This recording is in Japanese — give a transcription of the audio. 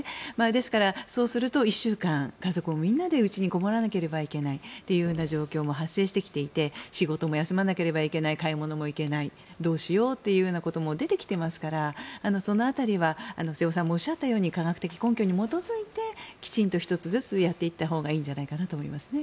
ですから、そうすると１週間家族みんなでうちにこもらなければいけないという状況も発生してきていて仕事も休まなければいけない買い物も行けないどうしようというようなことも出てきていますからその当たりは瀬尾さんもおっしゃったように科学的根拠に基づいてきちんと１つずつやっていったほうがいいんじゃないかなと思いますね。